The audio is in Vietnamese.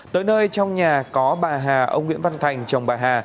tới nơi trong nhà có bà hà ông nguyễn văn thành